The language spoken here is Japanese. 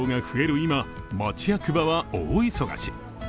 今、町役場は大忙し。